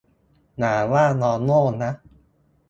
อย่าว่าน้องโง่นะ